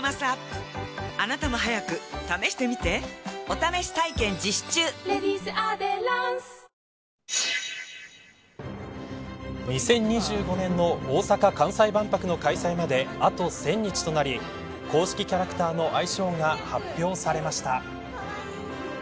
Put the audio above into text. ますます高嶺の花のウナギですが２０２５年の大阪・関西万博の開催まであと１０００日となり公式キャラクターの愛称が発表されました。